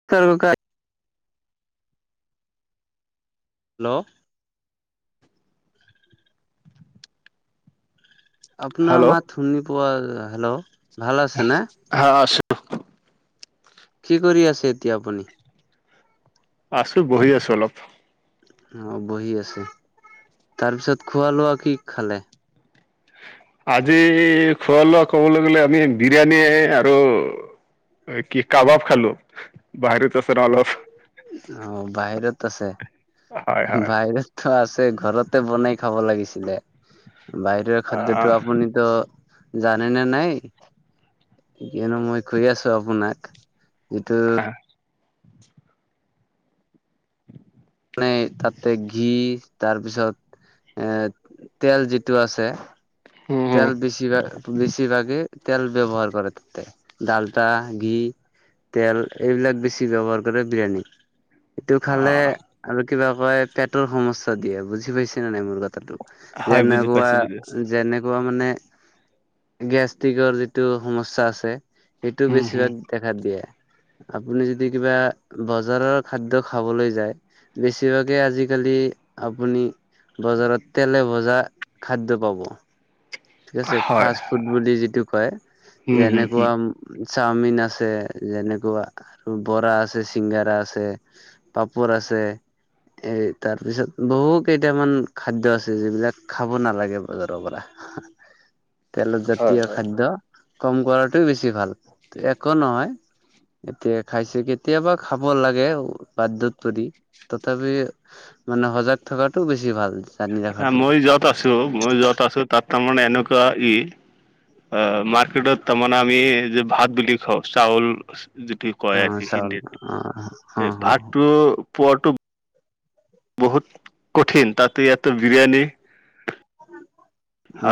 [unintelligible] Hello, আপোনাৰ hello মাত শুনি পোৱা হেল্ল' ভাল আছেনে? হ, আছো। কি কৰি আছে এতিয়া আপুনি? আছোঁ বহি আছোঁ অলপ। অ, বহি আছে তাৰপিছত খোৱা লোৱা কি খালে? আজি খোৱা লোৱা ক'বলে গ'লে আমি বিৰিয়ানীয়ে আৰু অই কি কাবাব খালোঁ বাহিৰত আছোঁ না অলপ। অ, বাহিৰত আছে হয় হয় বাহিৰত ত'আছে ঘৰতে বনাই খাব লাগিছিলে বাহিৰৰ খাদ্যটো আহ আপুনি ত' জানে নে নাই? কিয়নো মই কৈ আছো আপোনাক ইটো আহ, মানে তাতে ঘি তাৰপিছত এ তেল যিটো আছে হম হম তেল বেছিভাগ বেছিভাগে তেল ব্যৱহাৰ কৰে তাতে। ডালটা, ঘি, তেল এইবিলাক বেছি ব্যৱহাৰ কৰে বিৰিয়ানী। ইটো অ খালে আৰু কিবা কয় পেটৰ সমস্যা দিয়ে বুজি পাইছে নে নাই মোৰ কথ থাটো হয় বুজি পাইছো বুজি পাইছো যেনেকুৱা-যেনেকুৱা মানে গেষ্ট্ৰিকৰ যিটো সমস্যা আছে সেইটো উম হম বেছিভাগ দেখা দিয়ে আপুনি যদি কিবা বজাৰৰ খাদ্য খাবলৈ যায় বেছিভাগে আজিকালি আপুনি বজাৰত তেলে ভজা খাদ্য পাব। ঠিক আছে হয় ফাষ্ট ফুড বুলি যিটো কয়, উম হম হম যেনেকুৱা চাওমিন আছে যেনেকোৱা আৰু বৰা আছে চিংগাৰা আছে পাপৰ আছে। এই তাৰ পিছত বহু কেইটামান খাদ্য আছে যিবিলাক খাব নালাগে বজাৰৰ পৰা। [unintelligible] তেলত জাতীয় খাদ্য কম কৰাটোই বেছি ভাল ত'একো নহয় এতিয়া খাইছে কেতিয়াবা খাব লাগে বাধ্যত পৰি তথাপিওঁ মানে সজাগ থকাটোও বেছি ভালচ আ মই য'ত আছো- মই য'ত আছো তাত তাৰমানে এনেকুৱা ই অ, মাৰ্কেটত তাৰমানে আমি যে ভাত বুলি খাওঁ চাউল যিটি অ কয় আৰ কি চাউল হিন্দীত অ অ এ ভাতটো পোৱাটো বহুত কঠিন তাততো ইয়াতটো বিৰিয়াণী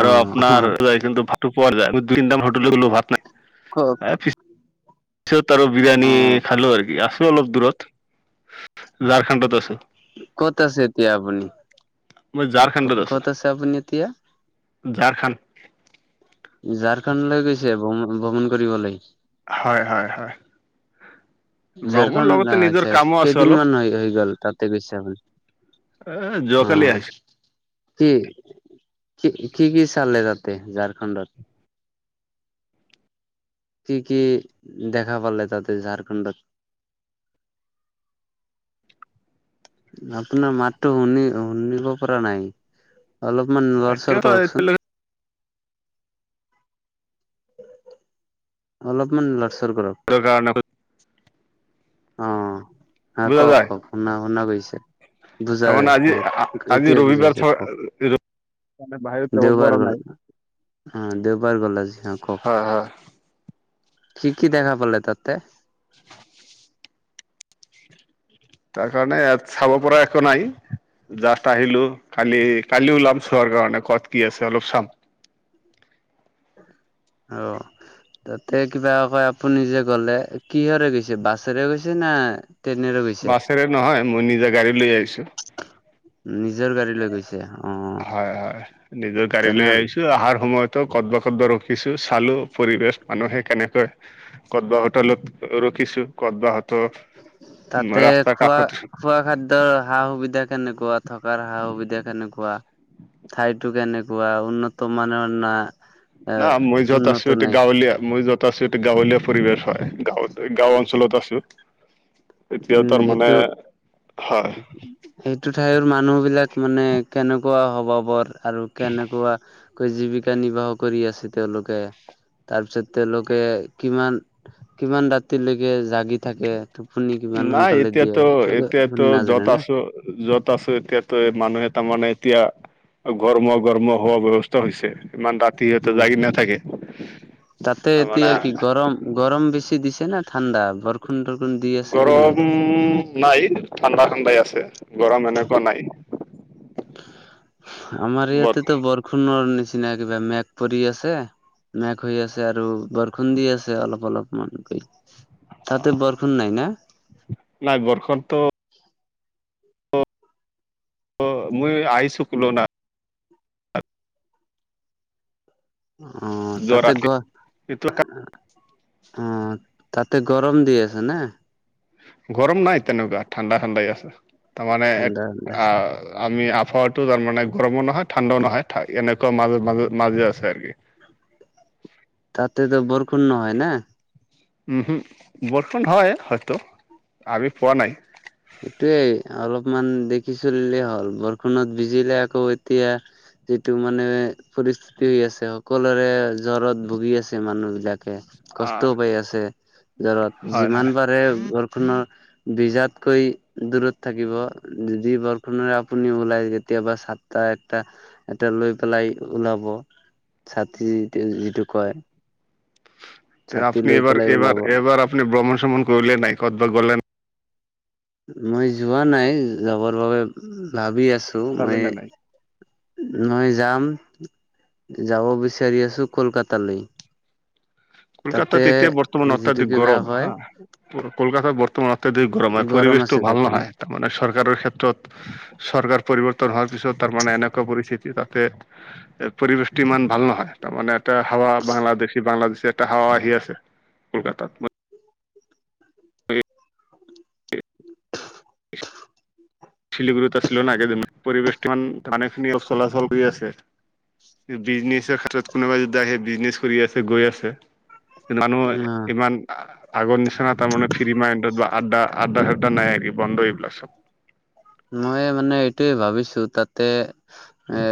অ আৰু অ আপোনাৰ কিন্তু [unintelligible] মই দুই তিনিটা মান হোটেলত গলো ভাত নাই। ক'ক? পিছত আৰু বিৰিয়ানী খালো আৰু আছে। ত'অলপ দূৰত ঝাৰখণ্ডত আছোঁ। ক'ত আছে এতিয়া আপুনি? মই ঝাৰখণ্ডত ক- আছো ক'ত আছে আপুনি এতিয়া? ঝাৰখণ্ড। ঝাৰখণ্ড লৈ গৈছে ভ্ৰম- ভ্ৰমণ কৰিবলৈ? হয় -হয় -হয়। ভ্ৰমণ লগতে ঝাৰখণ্ড নিজৰ আচ্ছা কামো আছে কেইদিন অলপ মান হৈ হৈ গ'ল তাতে গৈছে আপুনি? অ, যোৱা অ কালি আহিছোঁ। কি- কি- কি -কি চালে তাতে ঝাৰখণ্ডত? কি- কি দেখা পালে তাতে ঝাৰখণ্ডত? আপোনাৰ মাতটো শুনি শুনিব পৰা নাই, অলপমান লৰ এতিয়াও চৰ ত- কৰকচোন। এতিয়ালৈকে অলপমান লৰচৰ কৰক। কিহৰ কাৰণে হোইত [unintelligible] অ আহ বুজা কওক যায় কওক শুনা শুনা গৈছে। বুজায় তাৰমানে হ আজি আজি এতিয়া ৰবিবাৰ বুজাইছে থ- কওক। ৰবিবাৰ মানে বাহিৰত যাব পৰা দেওবাৰ গল, নাই অ দেওবাৰ গল আজি অ হয় কওক। হয় কি কি দেখা পালে তাতে? তাৰ কাৰণে ইয়াত চাব পৰা একো নাই। জাষ্ট আহিলো কালি কালি ওলাম চোৱাৰ কাৰণে কত কি আছে অলপ চাম। অ। তাতে কিবা কয় আপুনি যে গ'লে কিহৰে গৈছে বাছেৰে গৈছে না? ট্ৰেইনেৰে গৈছে? বাছেৰে নহয় মই নিজা গাড়ী লৈ আহিছো। নিজৰ গাড়ী লৈ গৈ ছে অ। হয় হয় নিজৰ গাড়ী তেনে লৈ আহিছো। অহাৰ সময়তো কদ বা কদ বা ৰখিছো চালো পৰিবেশ মানুহে কেনেকৈ কদ বাহত অলপ ৰখিছো কদবাহত তাতে খোৱা খোৱা খা দ্যৰ সা সুবিধা কেনেকুৱা থকাৰ সা সুবিধা কেনেকুৱা? ঠাইটো কেনেকুৱা উন্নত মানৰ না? এ না মই যত আছো উন্নত এতিয়া নাই গাঁৱলীয়া মই যত আছো এতিয়া গাঁৱলীয়া পৰিৱেশ হয়, গাঁৱত গাঁও অঞ্চলত আছো। এতিয়া উম তাৰমানে সেইটো হয় সেইটো ঠাইৰ মানুহ বিলাক মানে কেনেকুৱা হবাবৰ আৰু কেনেকুৱা? জীৱিকা নিৰ্বাহ কৰি আছে তেওঁলোকে। তাৰপিছত তেওঁলোকে কিমান কিমান ৰাতিলৈকে জাগি থাকে? শুনি কিমান নাই সোনকালে দিয়ে এতিয়াতো তাকে আপুনি এতিয়াতো নাজানে য'ত না? আছো যত আছো এতিয়াতে মানুহে তাৰমানে এতিয়া ঘৰমোৱা ঘৰমোৱা হোৱা ব্যৱস্থা হৈছে ইমান ৰাতি সিহঁতে উম জাগি নাথাকে তাতে তাৰমানে এতিয়া কি গৰম গৰম বেছি দিছে না ঠাণ্ডা? বৰষুণ তৰখুণ গৰম নাই ঠাণ্ডা ঠাণ্ডাই আছে, গৰম এনেকুৱা নাই। আমাৰ বৰ ইয়াতেতো বৰষুণৰ নিচিনা একেবাৰে মেঘ পৰি আছে। মেঘ হৈ আছে আৰু বৰষুণ দি আছে অলপ অলপমান কৈ। তাতে বৰষুণ নাই না। নাই বৰষুণটো অ‌ অ মই আহিছোঁ কিলো না অ যোৱা তাতে গ ৰাতি এইটো অ তাতে গৰম দি আছে নে গৰম নাই তেনেকুৱা ঠাণ্ডা ঠাণ্ডাই আছে তাৰমানে এক ঠাণ্ডা আ আমি আফত টোৰ তাৰ মানে গৰমো নহয় ঠাণ্ডাও নহয় এনেকুৱা মাজ মাজ মাজে আছে আৰে কি তাতেতো বৰষুণ নহয় না? উম হোম বৰষুণ হয় হয়তো আমি পোৱা নাই এইটোৱেই অলপমান দেখি চলিলে হ'ল বৰষুণত বিজিলে আকৌ এতিয়া যিটো মানে পৰিস্থিতি হৈ আছে সকলোৰে জ্বৰত ভুগি আছে মানুহবিলাক কে অ', কষ্টও পাই আছে জ্বৰত হয় যিমান হয়, পাৰে বৰষুণৰ ভিজাত কৈ দূৰত থাকিব যি বৰষুণৰ আপুনি ওলাই কেতিয়াবা ছাতা একটা এটা লৈ পেলাই ওলাব ছাতি যিটো কয় তে ছাতি আপুনি লৈ এবাৰ পেলাই ওলাব এবাৰ এবাৰ আপুনি ভ্ৰমণ শ্ৰমন কৰিলে নাই কতবা গলে নাই? মই যোৱা নাই যাবৰ বাবে ভাবি আছো চালে মই নে নাই? মই যাম যাব বিচাৰি আছো কলকাতালৈ তাতে কলকাতাত এতিয়া বৰ্তমান যিটো অত্যাধিক কিবা গৰম কয় হা কলকাতা বৰ্তমান অত্যাধিক গৰম হয় পৰিৱেশটো আছে ভাল তাতে নহয় তাৰ মানে চৰকাৰৰ ক্ষেত্ৰত। চৰকাৰ পৰিৱৰ্তন হোৱাৰ পিছত তাৰমানে এনেকুৱা পৰিস্থিতি তাতে এ পৰিৱেশটো ইমান ভাল নহয়। তাৰমানে এটা হাৱা বাংলাদেশী- বাংলাদেশী এটা হাৱা আহি আছে কলকাতাত। শিলিগুুত আছিলোঁ না কেইদিনমান পৰিৱেশ [unintelligible] চলাচল হৈ আছে। বিজনেছৰ ক্ষেত্ৰত কোনোবা যদি আহে বিজনেছ কৰি আছে গৈ আছে মানুহে অ ইমান আগৰ নিচিনা তাৰমানে ফ্ৰী মাইণ্ডত বা আড্ডা আদ্দা -চাদ্দা নাই কি বন্ধ এইবিলাক চব। মই মানে এইটোয়ে ভাবিছো তাত তে এ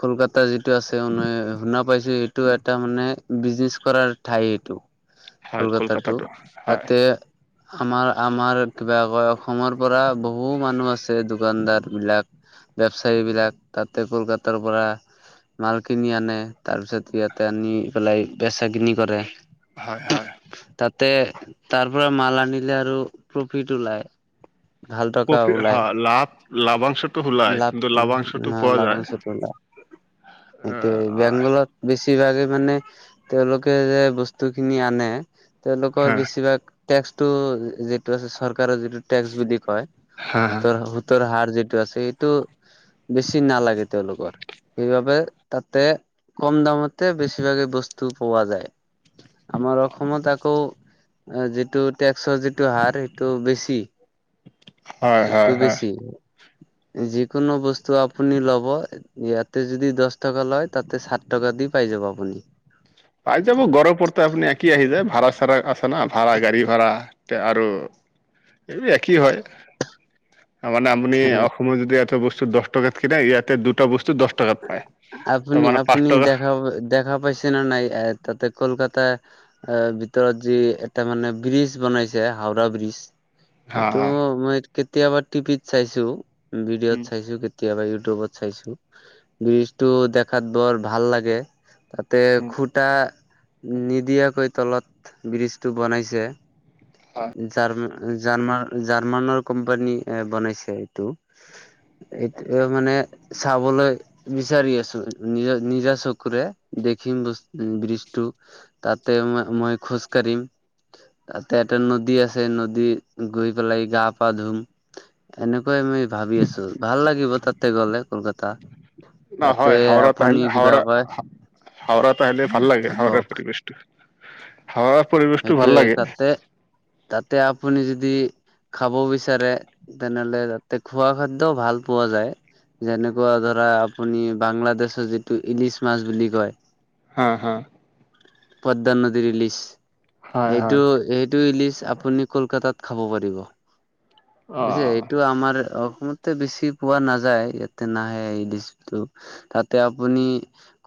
কলকাতা যিটো আছে [unintelligible] শুনা পাইছো এইটো এটা মানে বিজনেছ কৰাৰ ঠাই এইটো হয় কলকাতাটো হয় তাতে আমাৰ -আমাৰ কিবা কয় অসমৰ পৰা বহু মানুহ আছে এ দোকানদাৰ বিলাক বেবচায়ী বিলাক তাতে কলকাতাৰ পৰা মাল কিনি আনে তাৰ পিছত ইয়াতে আনি পেলাই বেচা কিনি কৰে। হয়- হয়। তাতে তাৰ পৰা মাল আনিলে আৰু প্ৰফিট ওলায়। ভাল টকা প্ৰফি ওলায়। হয় লাভ লাভাংশটো ওলাই কিন্তু লাভটোৰ লাভাংশটো পোৱা যায় [unintelligible] এইটোৱে হা বেংগলৰ বেছিভাগে মানে তেওঁলোকে যে বস্তু খিনি আনে তেওঁলোকৰ হা বেছিভাগ টেক্স টো যিটো আছে চৰকাৰৰ যিটো টেক্স বুলি কয় হয় ত' সোতৰ হাৰ যিটো আছে এইটো বেছি নালাগে তেওঁলোকৰ। সেইবাবে তাতে কম দামতে বেছিভাগে বস্তু পোৱা যায়। আমাৰ অসমত আকৌ অ, যিটো টেক্সৰ যিটো হাৰ সেইটো বেছি। চুটটো হয় হয় বেছি যিকোনো বস্তু আপুনি লব ইয়াতে যদি দছ টকা লয় তাতে চাত টকা দি পাই যাব আপুনি। পাই যাব গৰৰ ওপৰতে আপুনি একি আহি যায় ভাড়া -চাড়া আছে না ভাড়া গাড়ী ভাড়া তে আৰু এই একেই হয়। মানে আপুনি অসমৰ যদি এটা বস্তু দছ টকাত কিনে ইয়াতে দুটা বস্তু দছ আপুনি -আপুনি দেখা পাব দেখা পাইছে নে নাই তাতে কলকাতা এ ভিতৰত যি এটা মানে ব্ৰিজ বনাইছে হাওৰা ব্ৰীজ হা এইটো মই কেতিয়াবা টিভিত চাইছোঁ উম ভিডিঅ'ত চাইছো কেত কেতিয়াবা ইউটিউবত চাইছোঁ ব্ৰীজটো দেখাত বৰ ভাল লাগে। তাতে উম খুটা নিদিয়াকৈ তলত ব্ৰীজটো বনাইছে জাৰ -জাৰ্মান -জাৰ্মানৰ কোম্পানী এ বনাইছে এইটো। এইটো মানে চাবলৈ বিচাৰি আছো, নিজা -নিজা চকুৰে দেখিম বচ। ব্ৰীজটো। তাতে মই -মই খোজকাঢ়িম। তাতে এটা নদী আছে নদীত গৈ পেলাই গা পা ধুম। এনেকুৱাই আমি ভাবি আছোঁ, ভাল লাগিব তাতে গ'লে কলকাতা। তাতে ন'হয় হাওৰাত আপুনি আহিলে কিবা হাওৰা কয় -হাওৰাত আহিল ভাল লাগে হাওৰাৰ কওক পৰিৱেশ হাওৰাৰ পৰিৱেছ টো ভাল সেইটোয়ে লাগে। তাতে তাতে আপুনি যদি খাব বিচাৰে তেনেহ'লে তাতে খোৱা খাদ্যও ভাল পোৱা যায়। যেনেকুৱা ধৰা, আপুনি বাংলাদেচৰ যিটো ইলিছ মাছ বুলি কয় হা -হা। পদ্দানদীৰ ইলিছ। হয় এইটো হয় এইটো ইলিচ আপুনি কলকাতাত খাব পাৰিব। অ বুইছে, এইটো আমাৰ অসমতে বেছি পোৱা নাযায়, ইয়াতে নাহে এই ডিছটো। তাতে আপুনি,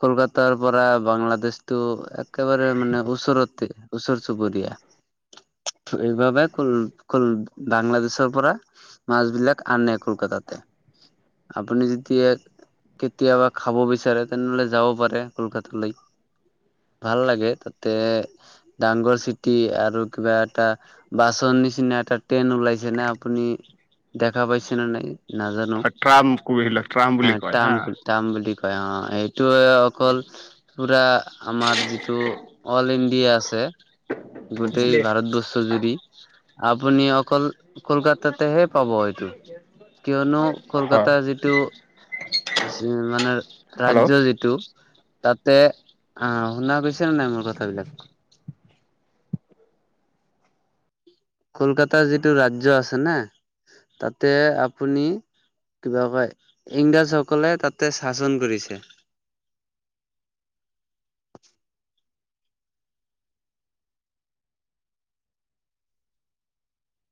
কলকাতাৰ পৰা বাংলাদেশটো একেবাৰে মানে ওচৰতে। ওচৰ চুবুৰীয়া, এইবাবে কল কল বাংলাদেশৰ পৰা- মাছ বিলাক আনে কলকাতাতে। আপুনি যতিয়া- কেতিয়াবা খাব বিচাৰে তেনেহলে যাব পাৰে কলকাতালৈ। ভাল লাগে তাতে, ডাঙৰ চিটি আৰু কিবা এটা- বাছৰ নিচিনা এটা ট্ৰেইন ওলাইছে নে, আপুনি দেখা পাইছে নে নাই - নাজানো, ট্ৰাম এইবিলাক ট্ৰাম বুলি কয় হা তাম তাম বুলি কয় অ', এই- এইটোৱে অকল পুৰা আমাৰ যিটো অল ইণ্ডিয়া আছে, গোটেই ভাৰতবৰ্ষ জুৰি আপুনি অকল - কলকাতাতেহে পাব এইটো। কিয়নো হয় কলকাতাৰ যিটো- মানে হেল্ল' ৰাজ্য যিটো- তাতে অ' শুনা গৈছে ন নাই মোৰ কথাবিলাক, কলকাতাৰ যিটো ৰাজ্য আছে না, তাতে আপুনি কিবা কয় ইংৰাজ সকলে তাতে শাসন কৰিছে।